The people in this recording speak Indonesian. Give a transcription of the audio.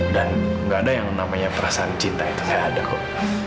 dan gak ada yang namanya perasaan cinta itu gak ada kok